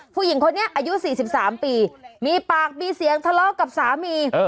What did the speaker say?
ผู้หญิงคนนี้อายุ๔๓ปีมีปากมีเสียงทะเลาะกับสามี